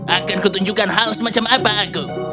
akanku tunjukkan hal semacam apa aku